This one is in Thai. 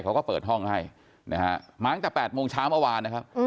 เขาก็เปิดห้องให้มามาถึงแต่๘โมงเช้าเมื่อวาน